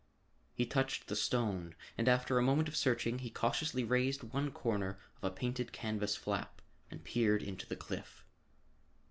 He touched the stone and after a moment of searching he cautiously raised one corner of a painted canvas flap and peered into the cliff.